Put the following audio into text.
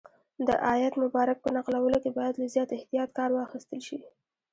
د آیت مبارک په نقلولو کې باید له زیات احتیاط کار واخیستل شي.